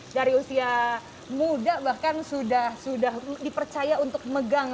dari usia muda bahkan sudah dipercaya untuk megang